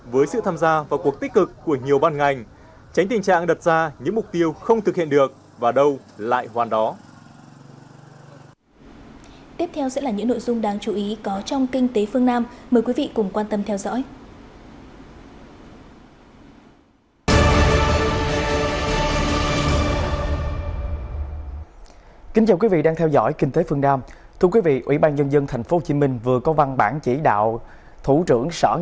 với sự tham gia và cuộc tích cực của nhiều ban ngành tránh tình trạng đặt ra những mục tiêu không thực hiện được và đâu lại hoàn đó